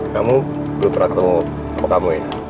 kamu belum pernah ketemu papa kamu ya